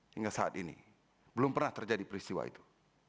hingga saat ini belum pernah terjadi peristiwa itu